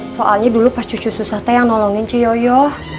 soalnya dulu pas cucu susah teh yang nolongin ciyoyo